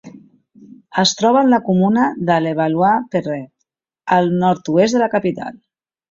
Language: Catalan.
Es troba en la comuna de Levallois-Perret, al nord-oest de la capital.